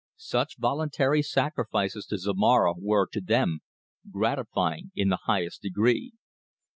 Such voluntary sacrifices to Zomara, were, to them, gratifying in the highest degree.